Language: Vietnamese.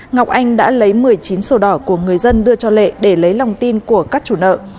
ngọc anh đã lấy một mươi chín sổ đỏ của người dân đưa cho lệ để lấy lòng tin của các chủ nợ